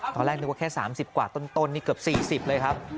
ตอนแรกนึกว่าแค่๓๐กว่าต้นนี่เกือบ๔๐เลยครับ